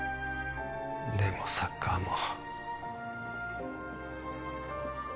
でもサッカーも